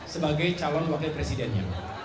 sebagai calon wakil presidennya